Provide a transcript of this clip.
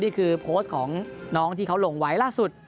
นี่คือโพสต์ของน้องที่เขาลงไว้ล่าสุด